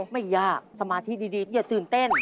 ไม่ยากสมาธิดีอย่าตื่นเต้น